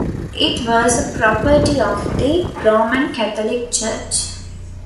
It was a property of the Roman Catholic Church.